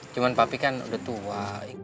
cuma papi kan udah tua